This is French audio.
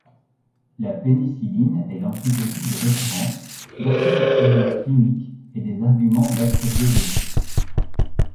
La pénicilline est l'antibiotique de référence d'après l'expérience clinique et des arguments bactériologiques.